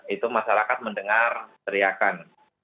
itu masyarakat mendengar teriakan